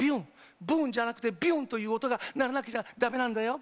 ブーンじゃなくてビューンという音が鳴らなくちゃ駄目なんだよ